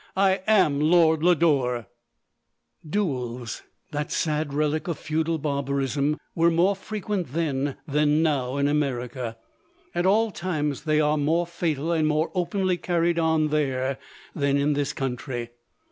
I am Lord Lodore !" Duels, that sad relic of feudal barbarism, were more frequent then than now in America ; at all times they are more fatal and more openly carried on there than in this country.